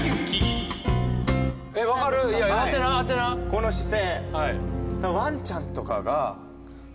この姿勢。